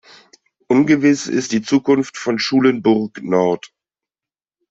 Ungewiss ist die Zukunft von Schulenburg-Nord.